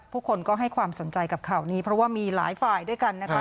ผู้คนก็ให้ความสนใจกับข่าวนี้เพราะว่ามีหลายฝ่ายด้วยกันนะคะ